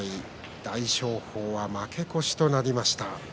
大翔鵬は負け越しとなりました。